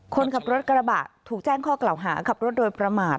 คนขับรถกระบะถูกแจ้งข้อกล่าวหาขับรถโดยประมาท